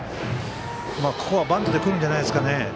ここはバントでくるんじゃないですかね。